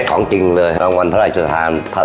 ของจินเลยรางวัลพระสุรรัสสาวดี